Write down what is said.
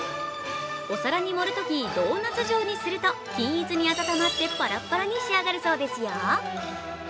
お皿に盛るとき、ドーナツ状にすると均一に温まってパラパラに仕上がるそうですよ。